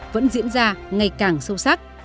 vẫn diễn ra ngày càng sâu sắc